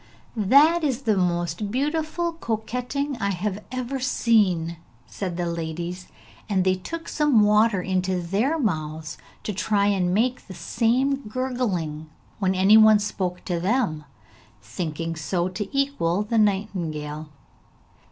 'That is the most delightful coquetting I have ever seen!' said the ladies, and they took some water into their mouths to try and make the same gurgling when any one spoke to them, thinking so to equal the nightingale.